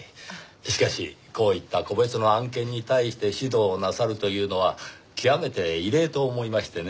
しかしこういった個別の案件に対して指導なさるというのは極めて異例と思いましてね。